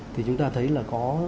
thì chúng ta thấy là có